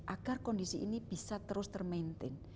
agar kondisi ini bisa terus ter maintain